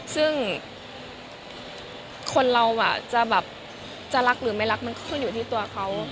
ซึ่งคนเราจะแบบจะรักหรือไม่รักมันก็ขึ้นอยู่ที่ตัวเขา